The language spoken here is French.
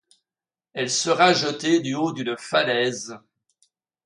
Elle sera jetée du haut d'une falaise.